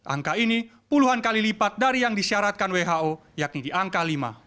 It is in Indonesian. angka ini puluhan kali lipat dari yang disyaratkan who yakni di angka lima